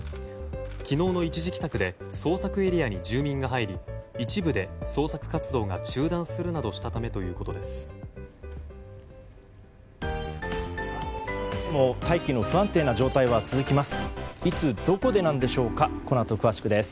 昨日の一時帰宅で捜索エリアに住民が入り一部で捜索活動が中断するなどしたためということです。